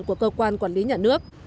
của cơ quan quản lý nhà nước